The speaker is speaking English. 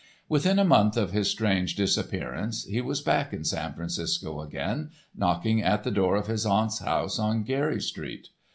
Within a month of his strange disappearance he was back in San Francisco again knocking at the door of his aunt's house on Geary street.